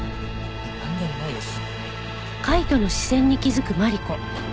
なんでもないです。